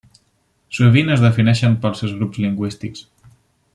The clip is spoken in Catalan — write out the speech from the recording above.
Sovint es defineixen pels seus grups lingüístics.